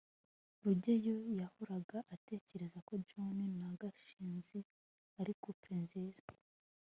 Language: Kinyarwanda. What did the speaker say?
rugeyo yahoraga atekereza ko john na gashinzi ari couple nziza